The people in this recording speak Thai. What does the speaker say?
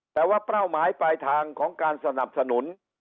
แต่ว่าเป้าหมายปลายทางของการสนับสนุน